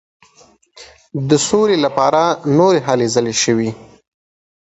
د سولي لپاره نورې هلې ځلې شوې.